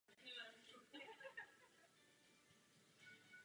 Tak jakápak modernizace?